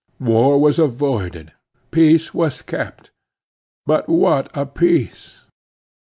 War was avoided; peace was kept; but what a peace!